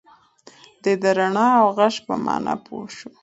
دی د رڼا او غږ په مانا پوه شو.